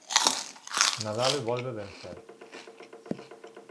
Nadal volve vencer.